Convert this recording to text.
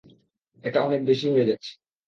এটা অনেক বেশি হয়ে যাচ্ছে।